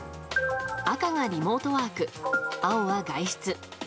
赤がリモートワーク青が外出。